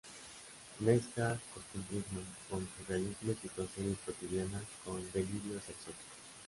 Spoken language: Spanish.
Mezcla costumbrismo con surrealismo y situaciones cotidianas con delirios exóticos.